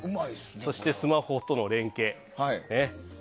そしてスマホとの連携。